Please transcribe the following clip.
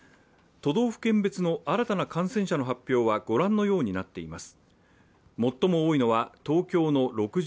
都道府県別の新たな感染者の発表は御覧のようになっています。